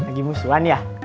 lagi musuhan ya